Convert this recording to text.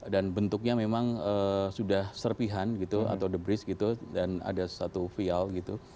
dan bentuknya memang sudah serpihan gitu atau debris gitu dan ada satu vial gitu